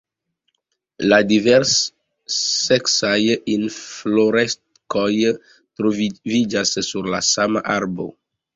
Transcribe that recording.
La divers-seksaj infloreskoj troviĝas sur la sama arbo.